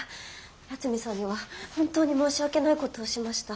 八海さんには本当に申し訳ないことしました。